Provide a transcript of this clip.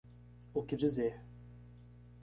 O que dizer